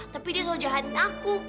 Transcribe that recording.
tapi dia selalu jahatin aku